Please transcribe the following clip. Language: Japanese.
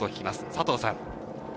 佐藤さん。